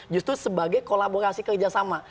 justru sebagai kolaborasi kerjasama